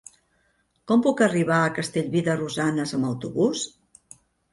Com puc arribar a Castellví de Rosanes amb autobús?